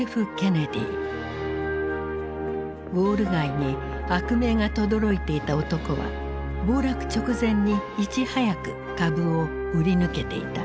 ウォール街に悪名がとどろいていた男は暴落直前にいち早く株を売り抜けていた。